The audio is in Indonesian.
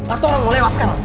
atau mau lewat sekarang